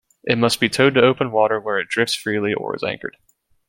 It must be towed to open water, where it drifts freely or is anchored.